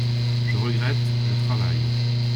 Je regrette ! je travaille.